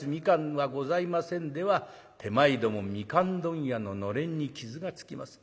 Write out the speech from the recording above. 蜜柑はございません』では手前ども蜜柑問屋の暖簾に傷がつきます。